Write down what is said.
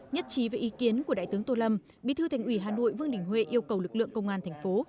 nhất trí với ý kiến của đại tướng tô lâm bí thư thành ủy hà nội vương đình huệ yêu cầu lực lượng công an thành phố